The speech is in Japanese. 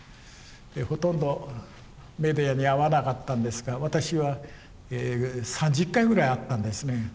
ほとんどメディアに会わなかったんですが私は３０回ぐらい会ったんですね。